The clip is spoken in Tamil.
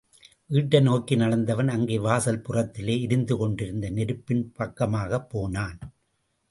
வீட்டை நோக்கி நடந்தவன், அங்கே வாசல் புறத்திலே எரிந்து கொண்டிருந்த நெருப்பின் பக்கமாகப்போனான்.